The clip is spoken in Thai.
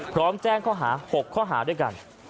พร้อมแจ้งข้อหา๖ข้อหาด้วยกัน